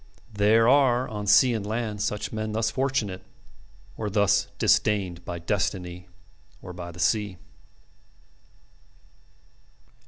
There are on sea and land such men thus fortunate or thus disdained by destiny or by the sea.